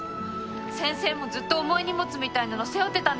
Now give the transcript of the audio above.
先生もずっと重い荷物みたいなの背負ってたんですよね？